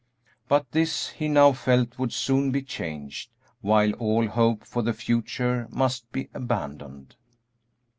But this he now felt would soon be changed, while all hope for the future must be abandoned.